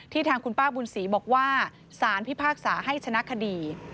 ทางคุณป้าบุญศรีบอกว่าสารพิพากษาให้ชนะคดี